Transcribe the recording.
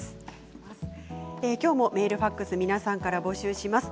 きょうもメールファックス皆さんから募集します。